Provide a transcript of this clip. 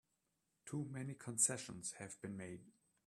Too many concessions have been made!